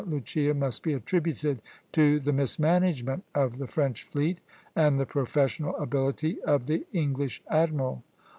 Lucia must be attributed to the mismanagement of the French fleet and the professional ability of the English admiral.